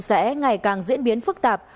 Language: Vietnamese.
sẽ ngày càng diễn biến phức tạp